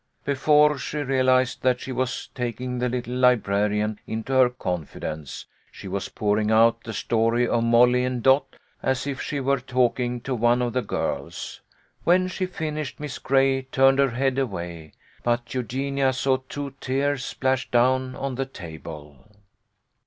Before she realised that she was taking the little librarian into her confidence, she was pouring out the story of Molly and Dot as if she were talking to one of the girls. When she finished Miss Gray turned her head away, but Eugenia saw two tears splash down on the table.